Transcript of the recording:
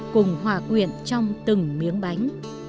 cùng hòa quyện trong từng miếng bánh